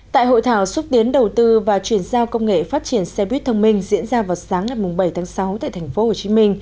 tại hội thảo xúc tiến đầu tư và chuyển giao công nghệ phát triển xe buýt thông minh diễn ra vào sáng ngày bảy tháng sáu tại tp hcm